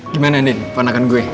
gimana nenek pandangkan gue